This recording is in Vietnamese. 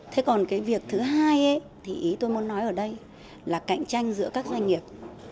thế còn cái việc thứ hai thì ý tôi muốn nói ở đây là cạnh tranh giữa các doanh nghiệp